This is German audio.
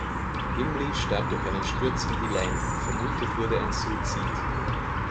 Himly starb durch einen Sturz in die Leine, vermutet wurde ein Suizid.